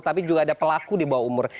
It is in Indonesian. tapi juga ada pelaku di bawah umur